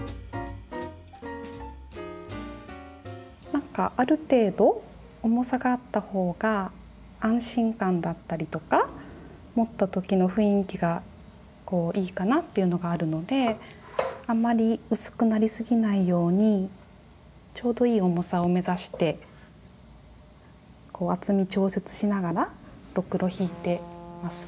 何かある程度重さがあった方が安心感だったりとか持った時の雰囲気がいいかなというのがあるのであまり薄くなりすぎないようにちょうどいい重さを目指して厚み調節しながらろくろひいてます。